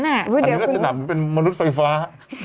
อันนี้ลักษณะเหมือนเป็นมนุษย์ไฟฟ้า